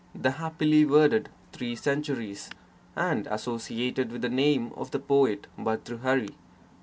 'The happily worded three centuries') and associated with the name of the poet Bhartrhari.